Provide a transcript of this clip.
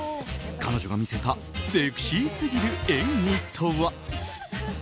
彼女が見せたセクシーすぎる演技とは。